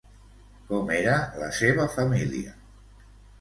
Com era la seva família?